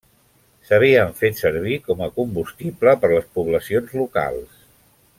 S'havien fet servir com a combustible per les poblacions locals.